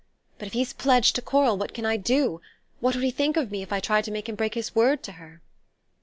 But if he's pledged to Coral, what can he do? What would he think of me if I tried to make him break his word to her?"